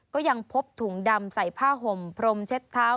ก็ยังพบถุงดำใส่ผ้าห่มพรมเช็ดเท้า